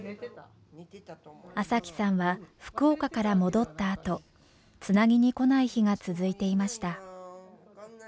麻貴さんは福岡から戻ったあとつなぎに来ない日が続いていました。